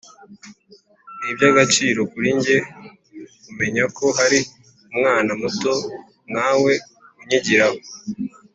ni iby’agaciro kuri nge kumenya ko hari umwana muto nkawe unyigiraho